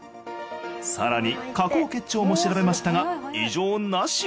更に下行結腸も調べましたが異常なし。